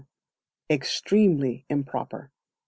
Extremely Improper.